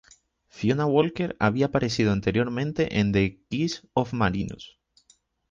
Fiona Walker había aparecido anteriormente en "The Keys of Marinus".